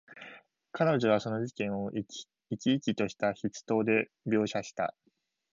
彼女はその事件を、生き生きとした筆致で描写した。